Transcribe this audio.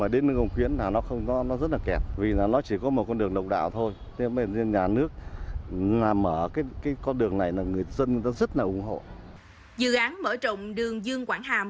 dự án mơ rộng đường dương quảng hàm